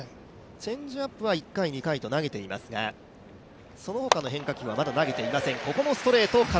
チェンジアップは１回、２回と投げていますが、その他の変化球はまだ投げていません。